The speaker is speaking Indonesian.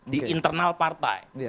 di internal partai